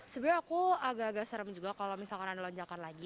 sebenarnya aku agak agak serem juga kalau misalkan ada lonjakan lagi